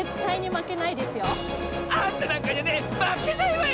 あんたなんかにはねまけないわよ！